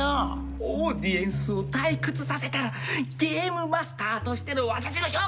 オーディエンスを退屈させたらゲームマスターとしての私の評価に関わるのよ！